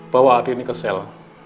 bawa adik ini ke sel